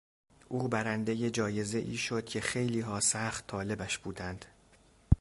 او برندهی جایزهای شد که خیلیها سخت طالبش بودند.